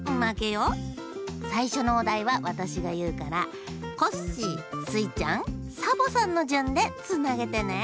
さいしょのおだいはわたしがいうからコッシースイちゃんサボさんのじゅんでつなげてね！